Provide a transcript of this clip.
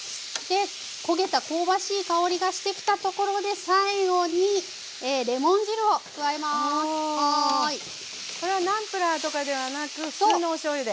焦げた香ばしい香りがしてきたところで最後にこれはナンプラーとかではなく普通のおしょうゆで？